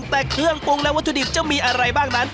แต่เครื่องปรุงและวัตถุดิบจะมีอะไรบ้างนั้น